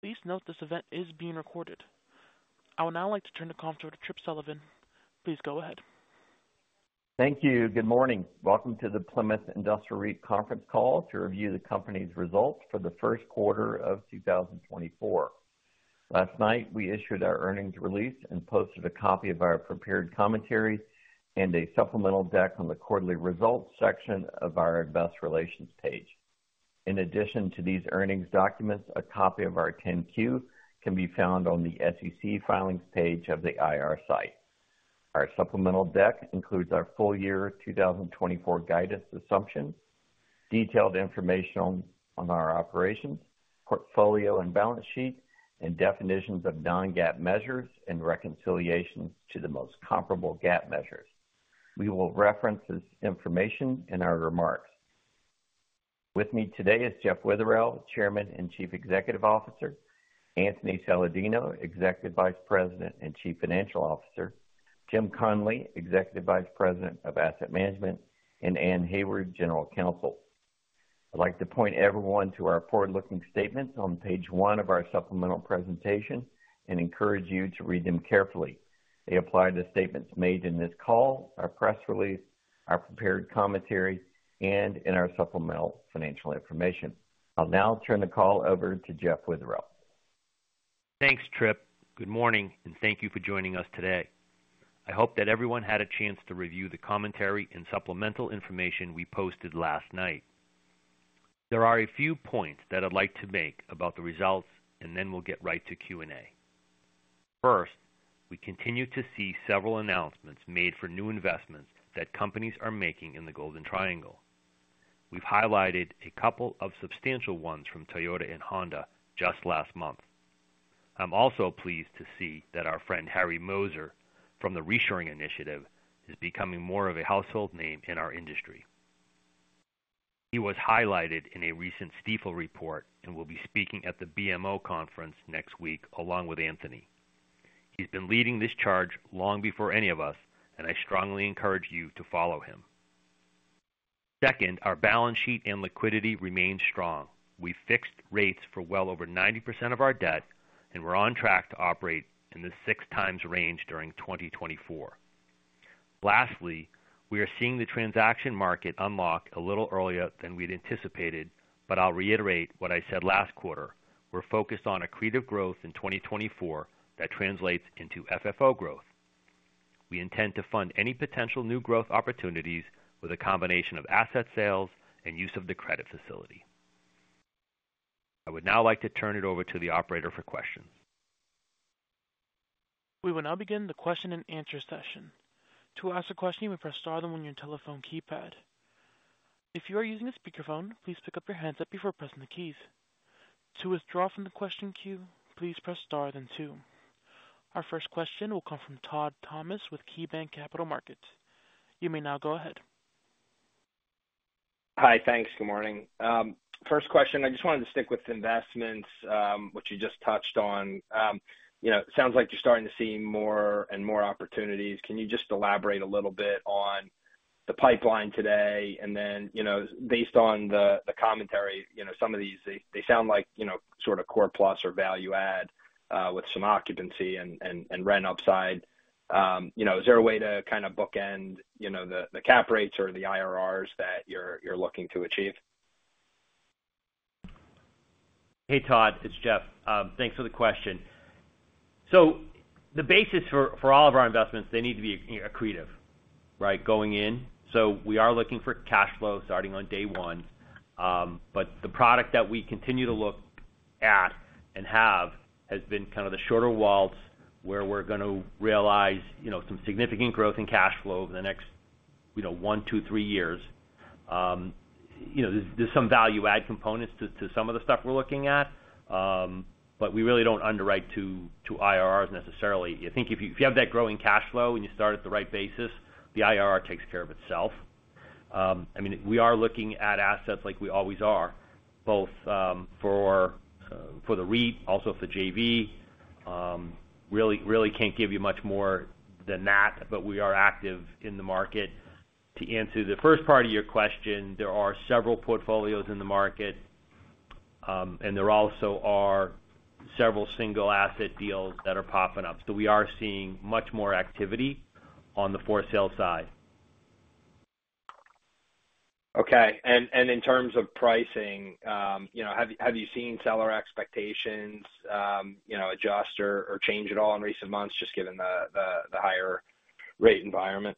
Please note this event is being recorded. I would now like to turn the call to Tripp Sullivan. Please go ahead. Thank you. Good morning. Welcome to the Plymouth Industrial REIT conference call to review the company's results for the first quarter of 2024. Last night, we issued our earnings release and posted a copy of our prepared commentary and a supplemental deck on the quarterly results section of our investor relations page. In addition to these earnings documents, a copy of our 10-Q can be found on the SEC filings page of the IR site. Our supplemental deck includes our full year 2024 guidance assumptions, detailed information on our operations, portfolio and balance sheet, and definitions of Non-GAAP measures and reconciliation to the most comparable GAAP measures. We will reference this information in our remarks. With me today is Jeff Witherell, Chairman and Chief Executive Officer, Anthony Saladino, Executive Vice President and Chief Financial Officer, Jim Connolly, Executive Vice President of Asset Management, and Anne Hayward, General Counsel. I'd like to point everyone to our forward-looking statements on page one of our supplemental presentation and encourage you to read them carefully. They apply to statements made in this call, our press release, our prepared commentary, and in our supplemental financial information. I'll now turn the call over to Jeff Witherell. Thanks, Tripp. Good morning, and thank you for joining us today. I hope that everyone had a chance to review the commentary and supplemental information we posted last night. There are a few points that I'd like to make about the results, and then we'll get right to Q&A. First, we continue to see several announcements made for new investments that companies are making in the Golden Triangle. We've highlighted a couple of substantial ones from Toyota and Honda just last month. I'm also pleased to see that our friend Harry Moser from the Reshoring Initiative is becoming more of a household name in our industry. He was highlighted in a recent Stifel report and will be speaking at the BMO conference next week along with Anthony. He's been leading this charge long before any of us, and I strongly encourage you to follow him. Second, our balance sheet and liquidity remain strong. We've fixed rates for well over 90% of our debt, and we're on track to operate in the 6x range during 2024. Lastly, we are seeing the transaction market unlock a little earlier than we'd anticipated, but I'll reiterate what I said last quarter: we're focused on accretive growth in 2024 that translates into FFO growth. We intend to fund any potential new growth opportunities with a combination of asset sales and use of the credit facility. I would now like to turn it over to the operator for questions. We will now begin the question-and-answer session. To ask a question, you may press star, then one when you're on your telephone keypad. If you are using a speakerphone, please pick up your handset before pressing the keys. To withdraw from the question queue, please press star, then two. Our first question will come from Todd Thomas with KeyBanc Capital Markets. You may now go ahead. Hi. Thanks. Good morning. First question, I just wanted to stick with investments, which you just touched on. It sounds like you're starting to see more and more opportunities. Can you just elaborate a little bit on the pipeline today? And then, based on the commentary, some of these sound like sort of core plus or value add with some occupancy and rent upside. Is there a way to kind of bookend the cap rates or the IRRs that you're looking to achieve? Hey, Todd. It's Jeff. Thanks for the question. So the basis for all of our investments, they need to be accretive, right, going in. So we are looking for cash flow starting on day one. But the product that we continue to look at and have has been kind of the shorter WALT where we're going to realize some significant growth in cash flow over the next one, two, three years. There's some value add components to some of the stuff we're looking at, but we really don't underwrite to IRRs necessarily. I think if you have that growing cash flow and you start at the right basis, the IRR takes care of itself. I mean, we are looking at assets like we always are, both for the REIT, also for JV. Really can't give you much more than that, but we are active in the market. To answer the first part of your question, there are several portfolios in the market, and there also are several single asset deals that are popping up. So we are seeing much more activity on the for-sale side. Okay. And in terms of pricing, have you seen seller expectations adjust or change at all in recent months, just given the higher rate environment?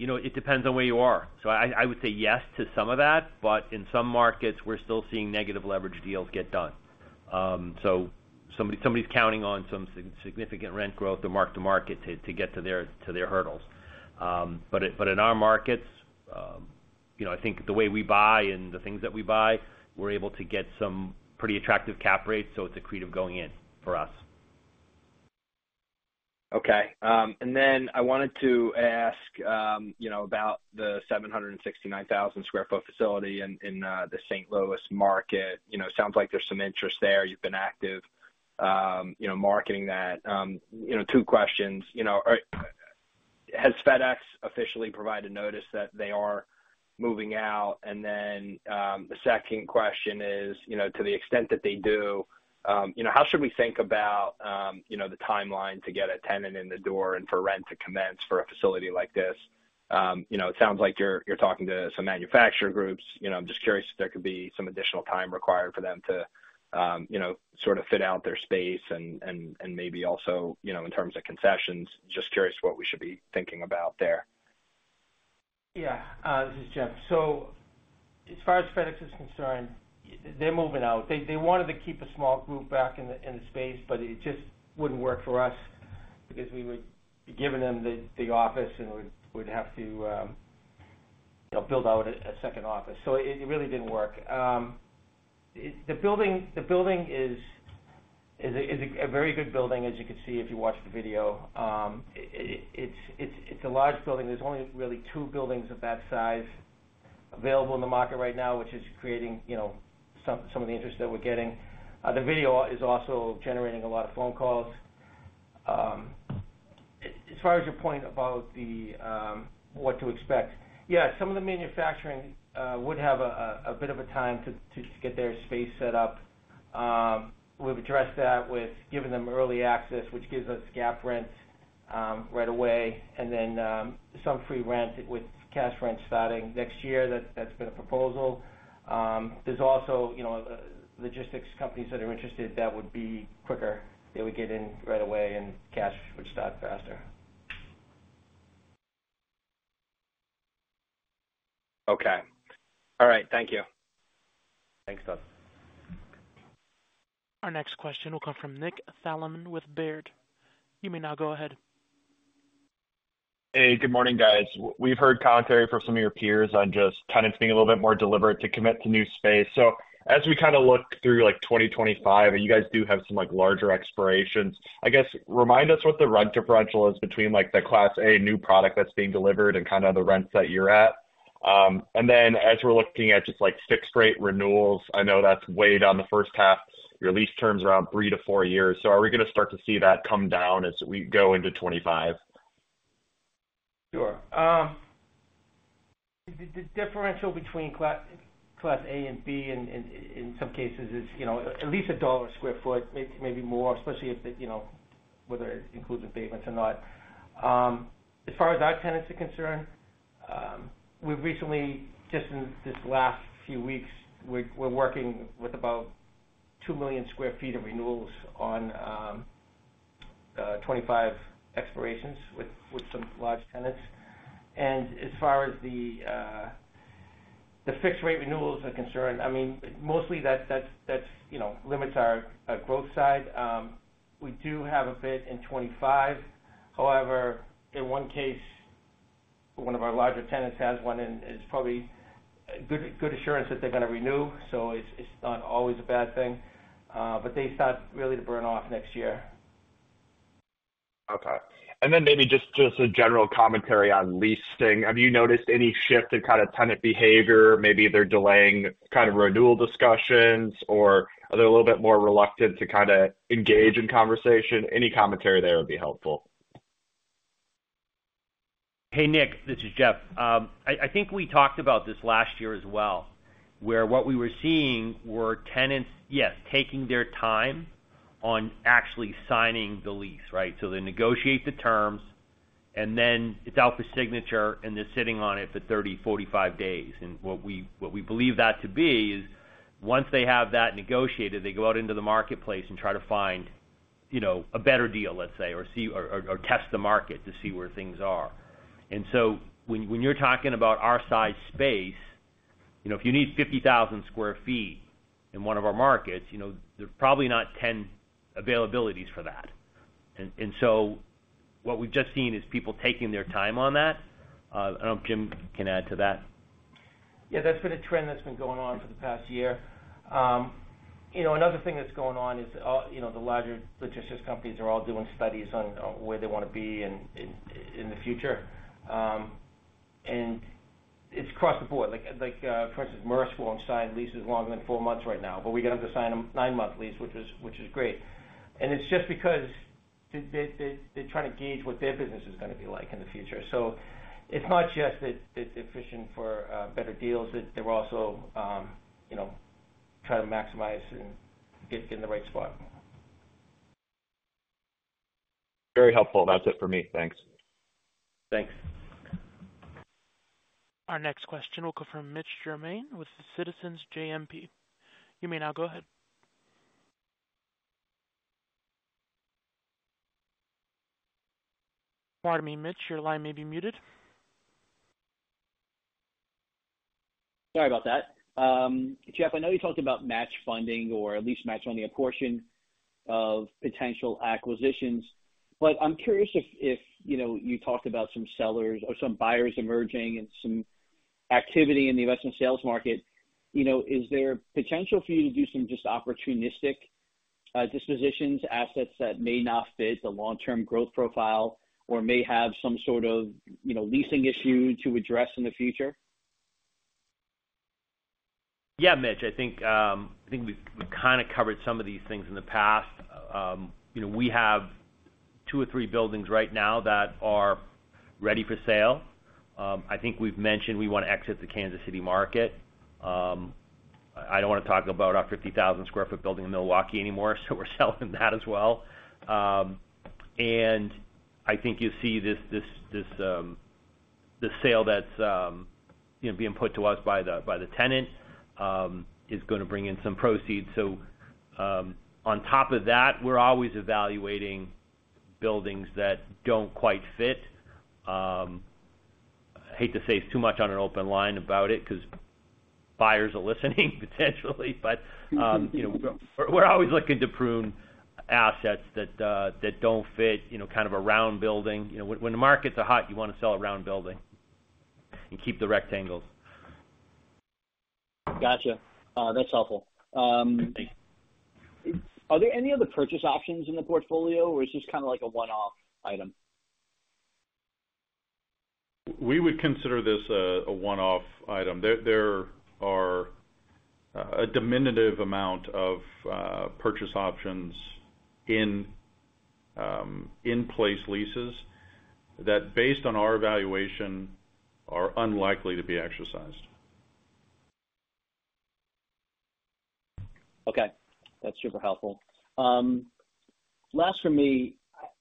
It depends on where you are. So I would say yes to some of that, but in some markets, we're still seeing negative leverage deals get done. So somebody's counting on some significant rent growth or mark-to-market to get to their hurdles. But in our markets, I think the way we buy and the things that we buy, we're able to get some pretty attractive cap rates, so it's accretive going in for us. Okay. And then I wanted to ask about the 769,000 sq ft facility in the St. Louis market. Sounds like there's some interest there. You've been active marketing that. Two questions. Has FedEx officially provided notice that they are moving out? And then the second question is, to the extent that they do, how should we think about the timeline to get a tenant in the door and for rent to commence for a facility like this? It sounds like you're talking to some manufacturer groups. I'm just curious if there could be some additional time required for them to sort of fit out their space and maybe also in terms of concessions. Just curious what we should be thinking about there. Yeah. This is Jeff. So as far as FedEx is concerned, they're moving out. They wanted to keep a small group back in the space, but it just wouldn't work for us because we would be giving them the office and would have to build out a second office. So it really didn't work. The building is a very good building, as you can see if you watch the video. It's a large building. There's only really two buildings of that size available in the market right now, which is creating some of the interest that we're getting. The video is also generating a lot of phone calls. As far as your point about what to expect, yeah, some of the manufacturing would have a bit of a time to get their space set up. We've addressed that with giving them early access, which gives us gap rents right away and then some free rent with cash rent starting next year. That's been a proposal. There's also logistics companies that are interested that would be quicker. They would get in right away, and cash would start faster. Okay. All right. Thank you. Thanks, Todd. Our next question will come from Nick Thillman with Baird. You may now go ahead. Hey. Good morning, guys. We've heard commentary from some of your peers on just tenants being a little bit more deliberate to commit to new space. So as we kind of look through 2025, and you guys do have some larger expirations, I guess, remind us what the rent differential is between the Class A new product that's being delivered and kind of the rents that you're at. And then as we're looking at just fixed-rate renewals, I know that's weighed on the first half, your lease terms around three to four years. So are we going to start to see that come down as we go into 2025? Sure. The differential between Class A and Class B, in some cases, is at least $1 sq ft, maybe more, especially whether it includes abatements or not. As far as our tenants are concerned, just in this last few weeks, we're working with about 2 million sq ft of renewals on 2025 expirations with some large tenants. And as far as the fixed-rate renewals are concerned, I mean, mostly, that limits our growth side. We do have a bit in 2025. However, in one case, one of our larger tenants has one, and it's probably good assurance that they're going to renew, so it's not always a bad thing. But they start really to burn off next year. Okay. And then maybe just a general commentary on leasing. Have you noticed any shift in kind of tenant behavior? Maybe they're delaying kind of renewal discussions, or are they a little bit more reluctant to kind of engage in conversation? Any commentary there would be helpful. Hey, Nick. This is Jeff. I think we talked about this last year as well, where what we were seeing were tenants, yes, taking their time on actually signing the lease, right? So they negotiate the terms, and then it's out for signature, and they're sitting on it for 30 days, 45 days. And what we believe that to be is once they have that negotiated, they go out into the marketplace and try to find a better deal, let's say, or test the market to see where things are. And so when you're talking about oversized space, if you need 50,000 sq ft in one of our markets, there's probably not 10 availabilities for that. And so what we've just seen is people taking their time on that. I don't know if Jim can add to that. Yeah. That's been a trend that's been going on for the past year. Another thing that's going on is the larger logistics companies are all doing studies on where they want to be in the future. It's across the board. For instance, Merck's willing to sign leases longer than four months right now, but we got them to sign a nine-month lease, which is great. It's just because they're trying to gauge what their business is going to be like in the future. So it's not just that they're efficient for better deals, that they're also trying to maximize and get in the right spot. Very helpful. That's it for me. Thanks. Thanks. Our next question will come from Mitch Germain with Citizens JMP. You may now go ahead. Pardon me, Mitch. Your line may be muted. Sorry about that. Jeff, I know you talked about match funding or at least matching the portion of potential acquisitions, but I'm curious if you talked about some sellers or some buyers emerging and some activity in the investment sales market. Is there potential for you to do some just opportunistic dispositions, assets that may not fit the long-term growth profile or may have some sort of leasing issue to address in the future? Yeah, Mitch. I think we've kind of covered some of these things in the past. We have two or three buildings right now that are ready for sale. I think we've mentioned we want to exit the Kansas City market. I don't want to talk about our 50,000 sq ft building in Milwaukee anymore, so we're selling that as well. And I think you'll see the sale that's being put to us by the tenant is going to bring in some proceeds. So on top of that, we're always evaluating buildings that don't quite fit. I hate to say it's too much on an open line about it because buyers are listening, potentially, but we're always looking to prune assets that don't fit kind of a round building. When the market's hot, you want to sell a round building and keep the rectangles. Gotcha. That's helpful. Thanks. Are there any other purchase options in the portfolio, or is this kind of like a one-off item? We would consider this a one-off item. There are a diminutive amount of purchase options in-place leases that, based on our evaluation, are unlikely to be exercised. Okay. That's super helpful. Last for me,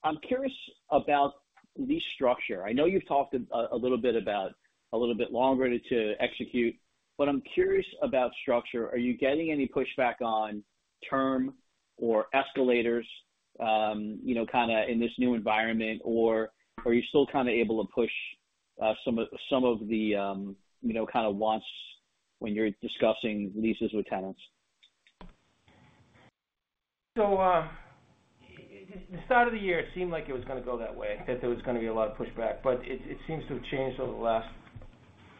I'm curious about lease structure. I know you've talked a little bit about a little bit longer to execute, but I'm curious about structure. Are you getting any pushback on term or escalators kind of in this new environment, or are you still kind of able to push some of the kind of wants when you're discussing leases with tenants? So the start of the year, it seemed like it was going to go that way, that there was going to be a lot of pushback, but it seems to have changed over the last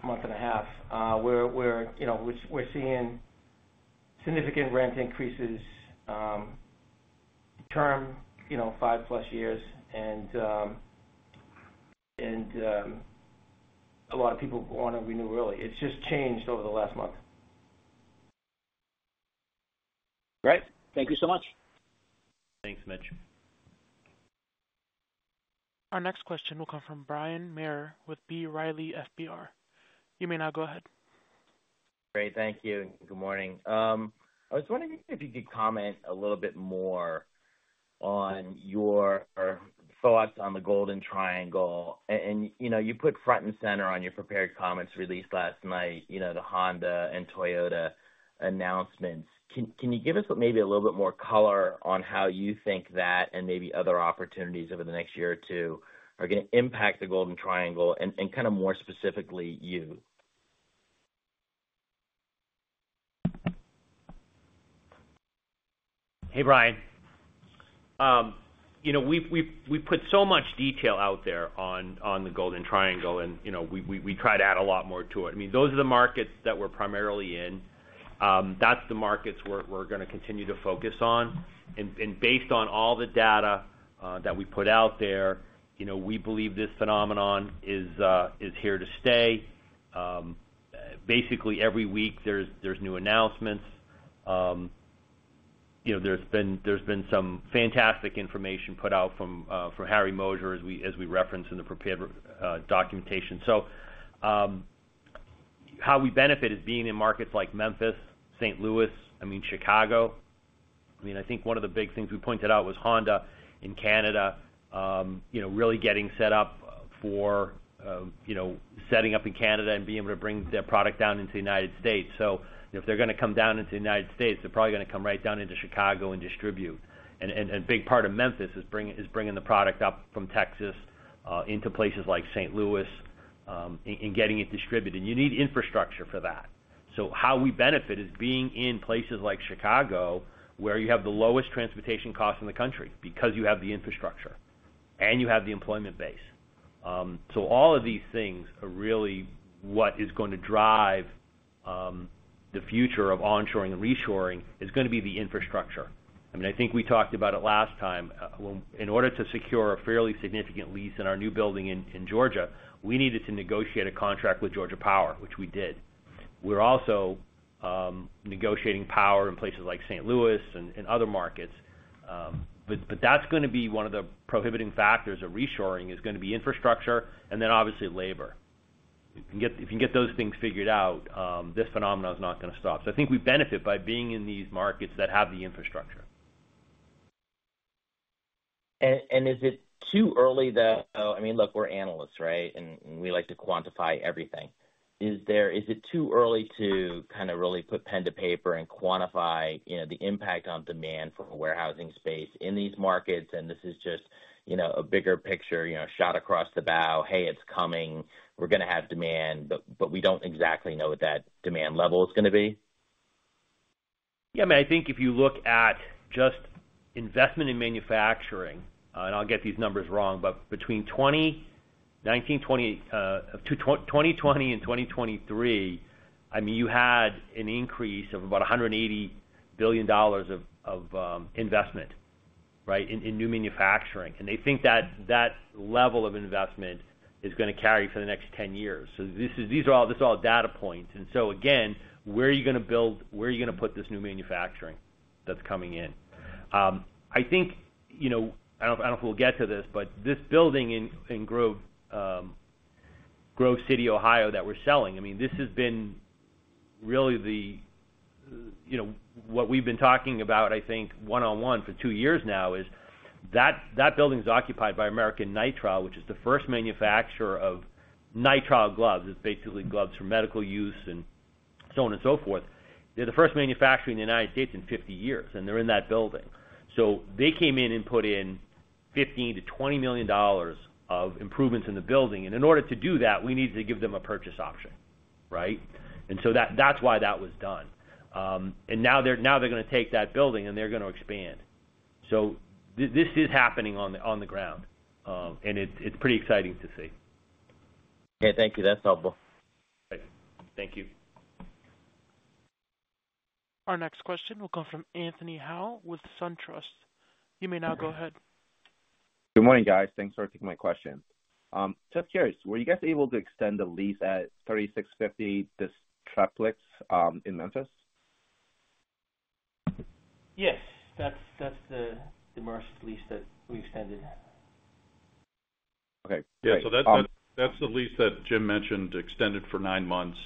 month and a half. We're seeing significant rent increases term, 5+ years, and a lot of people want to renew early. It's just changed over the last month. Great. Thank you so much. Thanks, Mitch. Our next question will come from Brian Maher with B. Riley Securities. You may now go ahead. Great. Thank you. Good morning. I was wondering if you could comment a little bit more on your thoughts on the Golden Triangle. You put front and center on your prepared comments released last night, the Honda and Toyota announcements. Can you give us maybe a little bit more color on how you think that and maybe other opportunities over the next year or two are going to impact the Golden Triangle, and kind of more specifically, you? Hey, Brian. We've put so much detail out there on the Golden Triangle, and we try to add a lot more to it. I mean, those are the markets that we're primarily in. That's the markets we're going to continue to focus on. And based on all the data that we put out there, we believe this phenomenon is here to stay. Basically, every week, there's new announcements. There's been some fantastic information put out from Harry Moser as we referenced in the prepared documentation. So how we benefit is being in markets like Memphis, St. Louis, I mean, Chicago. I mean, I think one of the big things we pointed out was Honda in Canada really getting set up for setting up in Canada and being able to bring their product down into the United States. So if they're going to come down into the United States, they're probably going to come right down into Chicago and distribute. A big part of Memphis is bringing the product up from Texas into places like St. Louis and getting it distributed. You need infrastructure for that. So how we benefit is being in places like Chicago where you have the lowest transportation costs in the country because you have the infrastructure and you have the employment base. So all of these things are really what is going to drive the future of onshoring and reshoring is going to be the infrastructure. I mean, I think we talked about it last time. In order to secure a fairly significant lease in our new building in Georgia, we needed to negotiate a contract with Georgia Power, which we did. We're also negotiating power in places like St. Louis. Louis and other markets. But that's going to be one of the prohibiting factors of reshoring is going to be infrastructure and then, obviously, labor. If you can get those things figured out, this phenomenon is not going to stop. So I think we benefit by being in these markets that have the infrastructure. Is it too early to, I mean, look, we're analysts, right, and we like to quantify everything. Is it too early to kind of really put pen to paper and quantify the impact on demand for warehousing space in these markets? This is just a bigger picture shot across the bow. Hey, it's coming. We're going to have demand, but we don't exactly know what that demand level is going to be. Yeah. I mean, I think if you look at just investment in manufacturing - and I'll get these numbers wrong - but between 2020 and 2023, I mean, you had an increase of about $180 billion of investment, right, in new manufacturing. And they think that level of investment is going to carry for the next 10 years. So these are all data points. And so again, where are you going to build, where are you going to put this new manufacturing that's coming in? I think, I don't know if we'll get to this, but this building in Grove City, Ohio, that we're selling, I mean, this has been really what we've been talking about, I think, one-on-one for 2 years now is that building's occupied by American Nitrile, which is the first manufacturer of nitrile gloves. It's basically gloves for medical use and so on and so forth. They're the first manufacturer in the United States in 50 years, and they're in that building. So they came in and put in $15 million-$20 million of improvements in the building. And in order to do that, we needed to give them a purchase option, right? And so that's why that was done. And now they're going to take that building, and they're going to expand. So this is happening on the ground, and it's pretty exciting to see. Okay. Thank you. That's helpful. Great. Thank you. Our next question will come from Anthony Hau with SunTrust. You may now go ahead. Good morning, guys. Thanks for taking my question. Just curious, were you guys able to extend the lease at 3650, the Distriplex in Memphis? Yes. That's the Merck's lease that we extended. Okay. Great. Yeah. So that's the lease that Jim mentioned, extended for nine months.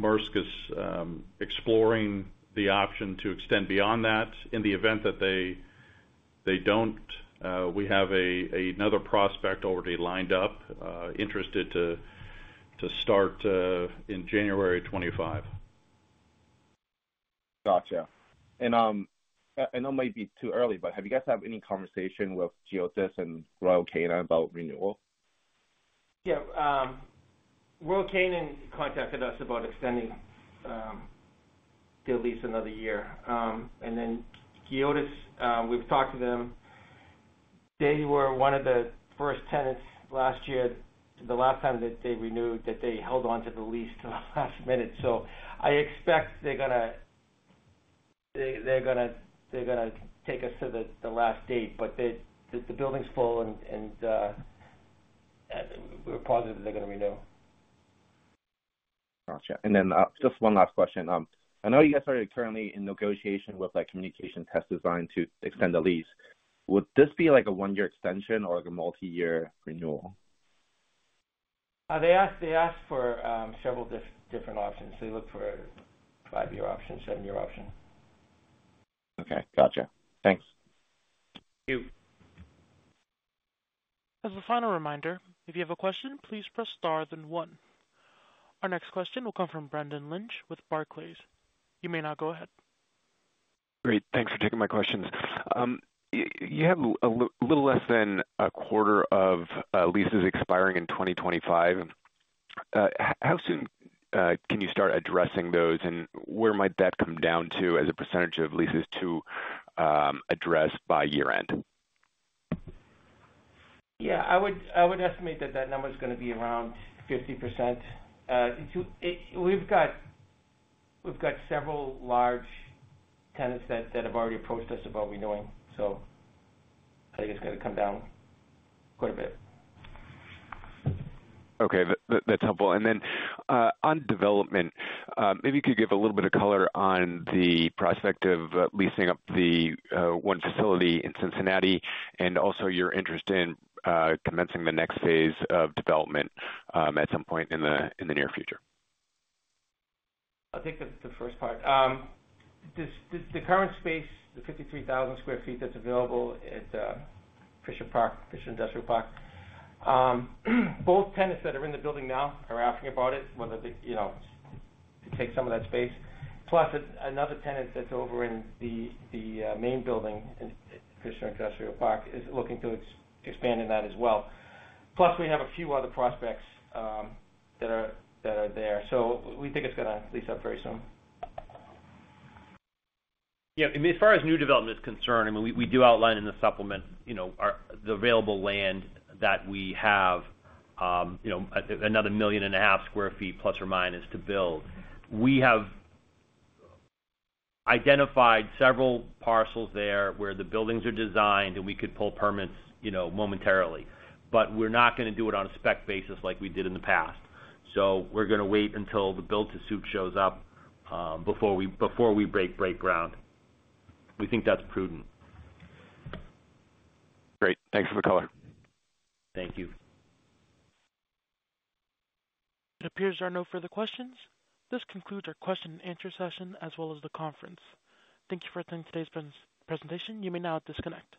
Merck is exploring the option to extend beyond that in the event that they don't. We have another prospect already lined up, interested to start in January 2025. Gotcha. And I know it might be too early, but have you guys had any conversation with GEODIS and Royal Canin about renewal? Yeah. Royal Canin contacted us about extending their lease another year. And then GEODIS, we've talked to them. They were one of the first tenants last year. The last time that they renewed, that they held onto the lease to the last minute. So I expect they're going to take us to the last date, but the building's full, and we're positive they're going to renew. Gotcha. Just one last question. I know you guys are currently in negotiation with Communications Test Design to extend the lease. Would this be a one-year extension or a multi-year renewal? They asked for several different options. They looked for a five year option, seven year option. Okay. Gotcha. Thanks. Thank you. As a final reminder, if you have a question, please press star then one. Our next question will come from Brendan Lynch with Barclays. You may now go ahead. Great. Thanks for taking my questions. You have a little less than a quarter of leases expiring in 2025. How soon can you start addressing those, and where might that come down to as a percentage of leases to address by year-end? Yeah. I would estimate that that number is going to be around 50%. We've got several large tenants that have already approached us about renewing, so I think it's going to come down quite a bit. Okay. That's helpful. And then on development, maybe you could give a little bit of color on the prospect of leasing up the one facility in Cincinnati and also your interest in commencing the next phase of development at some point in the near future? I'll take the first part. The current space, the 53,000 sq ft that's available at Fisher Industrial Park, both tenants that are in the building now are asking about it, whether they take some of that space. Plus, another tenant that's over in the main building at Fisher Industrial Park is looking to expand in that as well. Plus, we have a few other prospects that are there. So we think it's going to lease up very soon. Yeah. I mean, as far as new development is concerned, I mean, we do outline in the supplement the available land that we have. Another 1.5 million sq ft, ±, to build. We have identified several parcels there where the buildings are designed, and we could pull permits momentarily. But we're not going to do it on a spec basis like we did in the past. So we're going to wait until the build-to-suit shows up before we break ground. We think that's prudent. Great. Thanks for the color. Thank you. It appears there are no further questions. This concludes our question-and-answer session as well as the conference. Thank you for attending today's presentation. You may now disconnect.